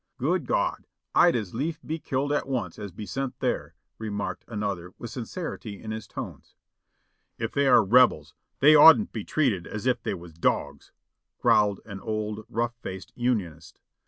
"Good God! I'd as lief be killed at once as be sent there," re marked another with sincerity in his tones. "If they are Rebels, they oughtn't to be treated as if they was dogs," growled an old rough faced Unionist.